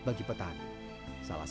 tetapi juga sangat luas